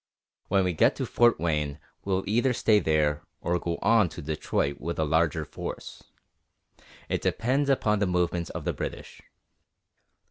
When we get to Fort Wayne, we'll either stay there, or go on to Detroit with a larger force. It depends upon the movements of the British."